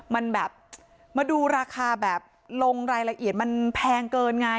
มันแบบมาดูราคาแบบลงรายละเอียดมันแพงเกินไง